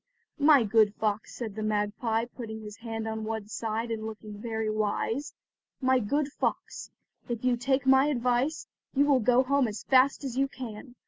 "My good fox," said the magpie putting his head on one side and looking very wise—"my good fox, if you take my advice, you will go home as fast as you can.